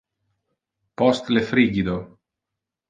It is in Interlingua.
Post le frigido.